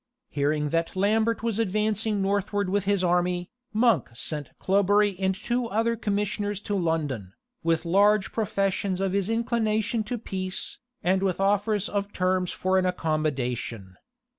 Hearing that Lambert was advancing northward with his army, Monk sent Cloberry and two other commissioners to London, with large professions of his inclination to peace, and with offers of terms for an accommodation.